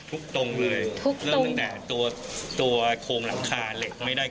ตรงเลยเริ่มตั้งแต่ตัวโครงหลังคาเหล็กไม่ได้